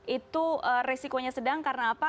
itu resikonya sedang karena apa